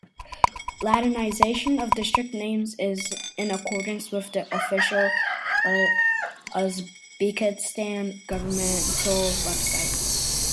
Latinization of district names is in accordance with the official Uzbekistan governmental website.